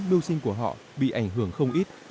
bưu sinh của họ bị ảnh hưởng không ít